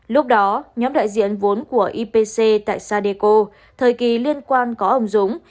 lúc đó nhóm đại diện vốn của ipc tại sadeco thời kỳ liên quan có ông dũng